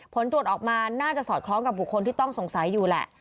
ผลตรวจออกมาน่าจะสอดคล้องกับบุคคลที่ต้องสงสัยอยู่แหละ